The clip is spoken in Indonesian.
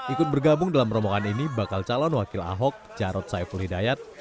ikut bergabung dalam rombongan ini bakal calon wakil ahok jarod saiful hidayat